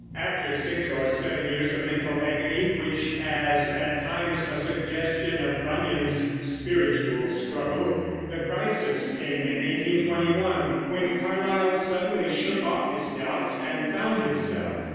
After six or seven years of mental agony, which has at times a suggestion of Bunyan's spiritual struggle, the crisis came in 1821, when Carlyle suddenly shook off his doubts and found himself.